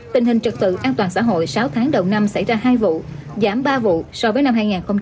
tình hình trực tự an toàn xã hội sáu tháng đầu năm xảy ra hai vụ giảm ba vụ so với năm hai nghìn hai mươi hai